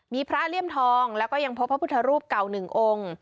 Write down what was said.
มีพระเลี่ยมทองแล้วก็ยังพบพระพุทธรูปเก่าหนึ่งองค์